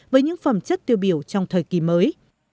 với những phẩm chất tiêu biểu trong thời kỳ mới